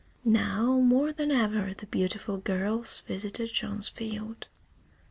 Now more than ever the beautiful girls visited Jean's field.